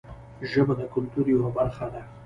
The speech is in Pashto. ژبه د کلتور یوه برخه ده